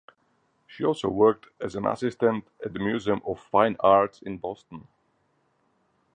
She also worked as an assistant at the Museum of Fine Arts in Boston.